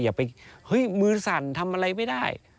อย่าไปเฮ้ยมือสั่นทำอะไรไม่ได้